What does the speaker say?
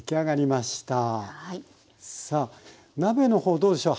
さあ鍋のほうどうでしょう？